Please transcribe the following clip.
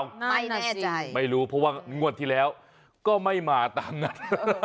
ไม่แน่ใจไม่รู้เพราะว่างวดที่แล้วก็ไม่มาตามนัด